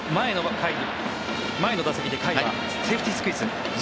前の打席で甲斐がセーフティースクイズ。